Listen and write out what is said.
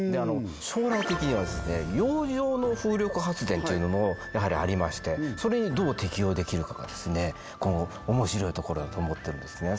将来的には洋上の風力発電というのもやはりありましてそれにどう適応できるかが今後おもしろいところだと思ってるんですね